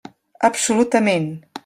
Absolutament.